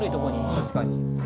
確かに。